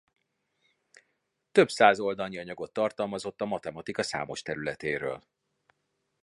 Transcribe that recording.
Több száz oldalnyi anyagot tartalmazott a matematika számos területéről.